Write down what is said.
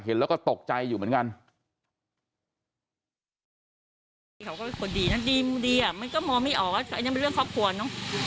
เห็นแล้วก็ตกใจอยู่เหมือนกัน